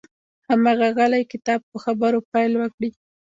هماغه غلی کتاب په خبرو پیل وکړي.